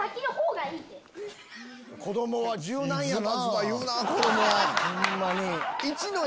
子供は柔軟やな。